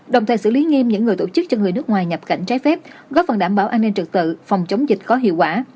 đồng thời xử lý nghiêm những người tổ chức cho người nước ngoài nhập cảnh trái phép góp phần đảm bảo an ninh trực tự phòng chống dịch có hiệu quả